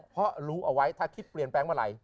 เพราะรู้เอาไว้ถ้าคิดเปลี่ยนแปลงเมื่อไหร่